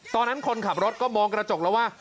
คนขับรถก็มองกระจกแล้วว่า